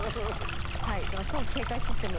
はいその早期警戒システム